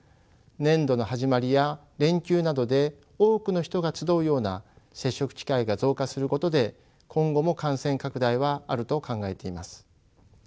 年度の始まりや連休などで多くの人が集うような接触機会が増加することで今後も感染拡大はあると考えています。